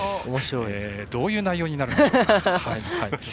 どういう内容になるんでしょうか。